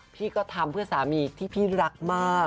พี่ก็ทำเพื่อสามีที่พี่รักมาก